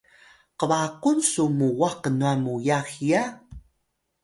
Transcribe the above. qbaqun su muwah knwan muyax hiya?